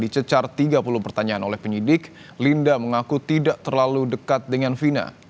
dicecar tiga puluh pertanyaan oleh penyidik linda mengaku tidak terlalu dekat dengan vina